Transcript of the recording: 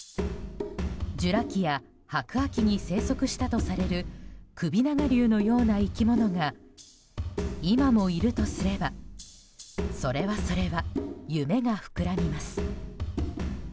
ジュラ紀や白亜紀に生息したとされる首長竜のような生き物が今もいるとすればそれはそれは夢が膨らみます。